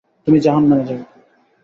তুমি জাহান্নামে যাও!